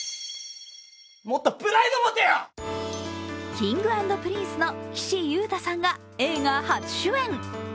Ｋｉｎｇ＆Ｐｒｉｎｃｅの岸優太さんが映画初主演。